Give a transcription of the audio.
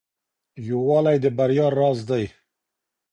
يووالی د بريا راز دی.